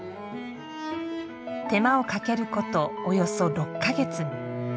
手間をかけること、およそ６か月。